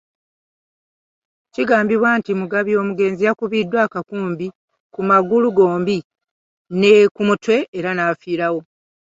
Kigambibwa nti, Mugabi omugenzi yakubiddwa akakumbi ku magulu gombi ne ku mutwe era n'afiirawo.